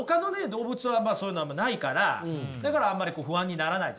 動物はそういうのないからだからあんまり不安にならない。